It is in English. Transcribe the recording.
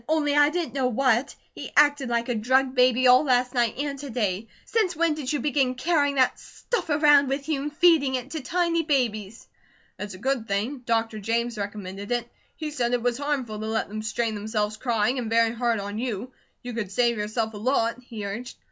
"Only I didn't know what. He acted like a drugged baby all last night and to day. Since when did you begin carrying that stuff around with you, and feeding it to tiny babies?" "It's a good thing. Dr. James recommended it. He said it was harmful to let them strain themselves crying, and very hard on you. You could save yourself a lot," he urged.